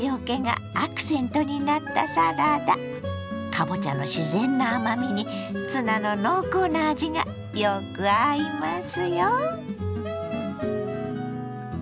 かぼちゃの自然な甘みにツナの濃厚な味がよく合いますよ。